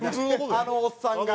あのおっさんが。